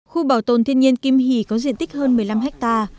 khu bảo tồn thiên nhiên kim hỷ có diện tích hơn một mươi năm ha